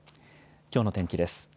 きょうの天気です。